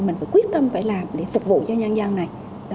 mình phải quyết tâm phải làm để phục vụ cho nhân dân này